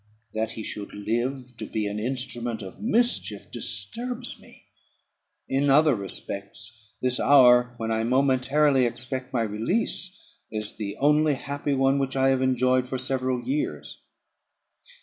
"That he should live to be an instrument of mischief disturbs me; in other respects, this hour, when I momentarily expect my release, is the only happy one which I have enjoyed for several years.